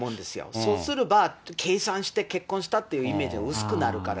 そうすれば、計算して結婚したっていうイメージが薄くなるから。